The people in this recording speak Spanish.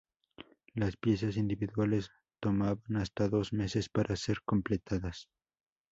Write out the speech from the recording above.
Las piezas individuales tomaban hasta dos meses para ser completadas.